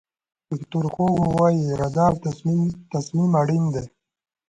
ویکتور هوګو وایي اراده او تصمیم اړین دي.